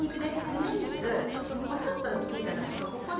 むね肉ここちょっと見て頂くとここでね